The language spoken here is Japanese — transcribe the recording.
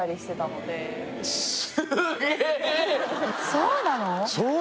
そうなの！？